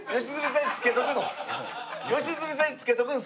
良純さんに付けとくの？